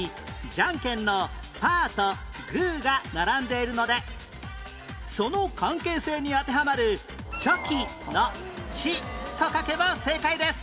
じゃんけんのパーとグーが並んでいるのでその関係性に当てはまるチョキの「ち」と書けば正解です